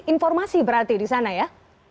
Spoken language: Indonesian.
informasi berarti di sana ya